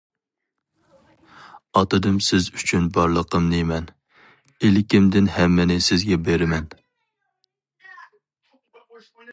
ئاتىدىم سىز ئۈچۈن بارلىقىمنى مەن، ئىلكىمدىن ھەممىنى سىزگە بىرىمەن!